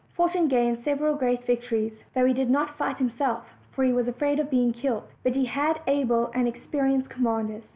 Fortune gained several great vic tories, though he did not fight himself for he was afraid of being killed but he had able and experienced com manders.